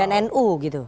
dan nu gitu